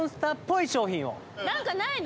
何かないの？